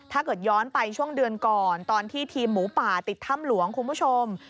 ถ้าเกิดย้อนไปช่วงเดือนก่อนตอนที่ทีมหมูป่าติดถ้ำหลวงคุณผู้ชม